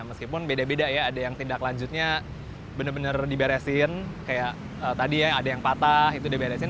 meskipun beda beda ya ada yang tindak lanjutnya bener bener diberesin kayak tadi ya ada yang patah itu diberesin